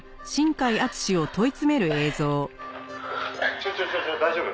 「ちょちょちょちょ大丈夫？